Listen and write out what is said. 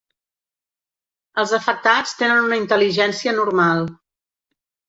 Els afectats tenen una intel·ligència normal.